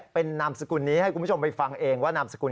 เป็นนามสคุณนี้ไหมกรุงผู้ชมไปฟังเองว่านามสคุณ